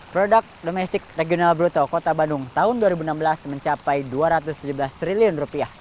produk domestik regional bruto kota bandung tahun dua ribu enam belas mencapai rp dua ratus tujuh belas triliun